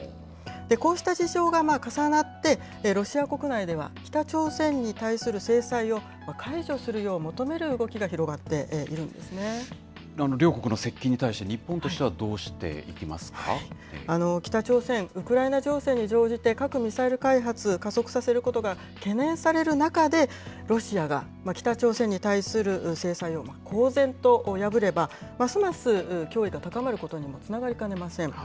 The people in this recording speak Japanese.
こうした事情が重なって、ロシア国内では北朝鮮に対する制裁を解除するよう求める動きが広両国の接近に対して、日本と北朝鮮、ウクライナ情勢に乗じて核・ミサイル開発、加速させることが懸念される中で、ロシアが北朝鮮に対する制裁を公然と破れば、ますます脅威が高まることにつながりかねません。